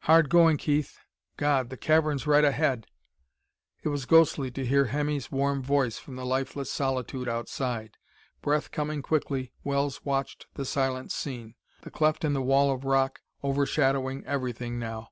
"Hard going, Keith. God the cavern's right ahead!" It was ghostly to hear Hemmy's warm voice from the lifeless solitude outside. Breath coming quickly, Wells watched the silent scene the cleft in the wall of rock overshadowing everything now.